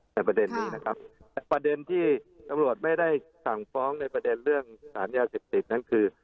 แต่ประเด็นนี้นะครับแต่ประเด็นที่ตำรวจไม่ได้สั่งฟ้องในประเด็นเรื่องสารยาเสพติดนั้นคือ